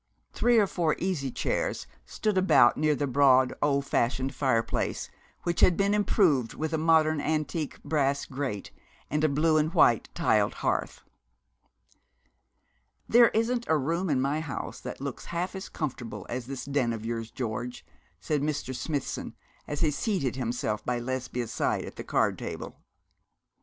Three or four easy chairs stood about near the broad, old fashioned fireplace, which had been improved with a modern antique brass grate and a blue and white tiled hearth. 'There isn't a room in my house that looks half as comfortable as this den of yours, George,' said Mr. Smithson, as he seated himself by Lesbia's side at the card table.